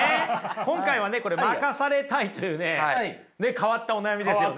今回はねこれ負かされたいというね変わったお悩みですよね。